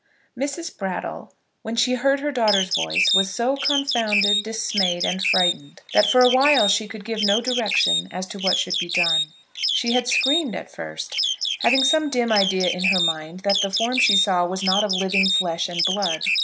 Mrs. Brattle, when she heard her daughter's voice, was so confounded, dismayed, and frightened, that for awhile she could give no direction as to what should be done. She had screamed at first, having some dim idea in her mind that the form she saw was not of living flesh and blood.